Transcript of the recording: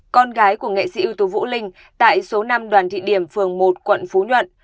con gái của nghệ sĩ ưu tú vũ linh tại số năm đoàn thị điểm phường một quận phú nhuận